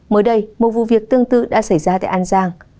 mới đây một vụ việc tương tự đã xảy ra tại an giang